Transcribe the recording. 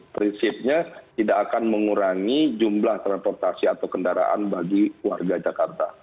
prinsipnya tidak akan mengurangi jumlah transportasi atau kendaraan bagi warga jakarta